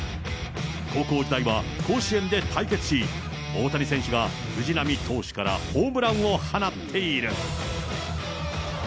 高校時代は、甲子園で対決し、大谷選手が藤浪投手からホームランを放っている。